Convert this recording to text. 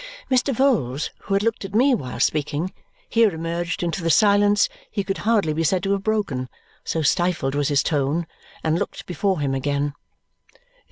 Mr. Vholes, who had looked at me while speaking, here emerged into the silence he could hardly be said to have broken, so stifled was his tone, and looked before him again.